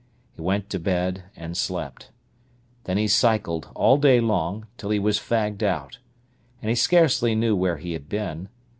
He went to bed and slept. Then he cycled all day long, till he was fagged out. And he scarcely knew where he had been.